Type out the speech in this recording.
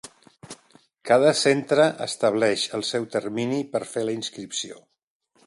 Cada centre estableix el seu termini per fer la inscripció.